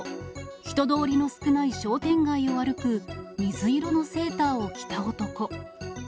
人通りの少ない商店街を歩く、水色のセーターを着た男。